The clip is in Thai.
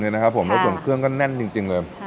แล้วส่วนเครื่องก็แน่นจริงเลย